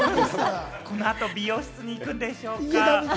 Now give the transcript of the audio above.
このあと美容室に行くんでしょうか。